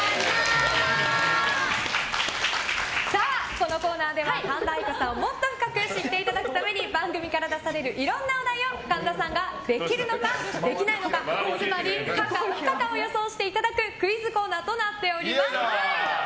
このコーナーでは神田愛花さんのことをもっと深く知っていただくために番組から出されるいろんなお題を神田さんができるのかできないのかつまり可か不可を予想してもらうクイズコーナーとなっております。